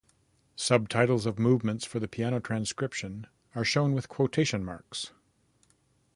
Subtitles of movements for the piano transcription are shown with quotation marks.